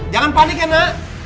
jangan panik ya na